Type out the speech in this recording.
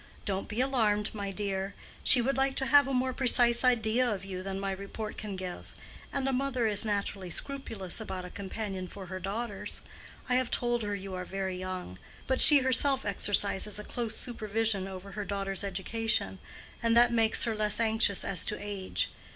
"Don't be alarmed, my dear. She would like to have a more precise idea of you than my report can give. And a mother is naturally scrupulous about a companion for her daughters. I have told her you are very young. But she herself exercises a close supervision over her daughters' education, and that makes her less anxious as to age.